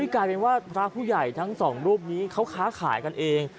กลายเป็นว่าพระผู้ใหญ่ทั้งสองรูปนี้เขาค้าขายกันเอง